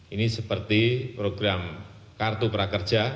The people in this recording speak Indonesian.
ini seperti program kartu prakerja